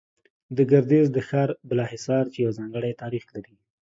د ګردېز د ښار بالا حصار، چې يو ځانگړى تاريخ لري